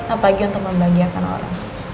apalagi untuk membagiakan orang